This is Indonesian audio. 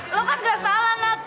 lo kan gak salah nat